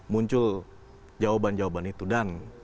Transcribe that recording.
muncul jawaban jawaban itu dan